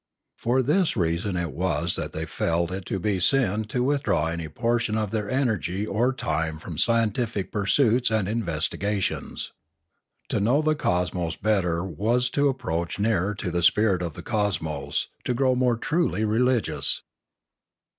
For this reason it was that they felt it to be sin to withdraw any portion of their energy or time from scientific pursuits and in vestigations. To know the cosmos better was to ap proach nearer to the spirit of the cosmos, .to grow more truly religious.